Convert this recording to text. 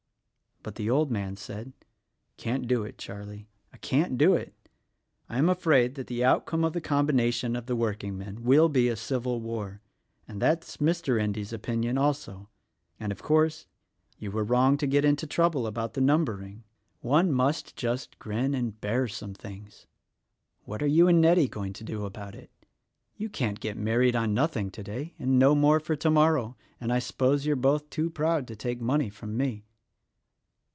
But the old man said, "Can't do it, Charlie. Can't do it ! I am afraid that the outcome of the combination of the workingmen will be a civil war — that is Mr. Endy's opin ion, also. And, of course, you were wrong to get into trouble about the numbering. One must just grin and 18 THE RECORDING ANGEL bear some things. What are you and Nettie going to do about it? You can't get married on nothing today and no more for tomorrow, and I suppose you're both too proud to take mOney from me."